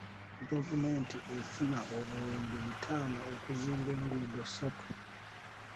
Gavumenti efuna obuwumbi bitaano okuzimba enguudo ssaatu.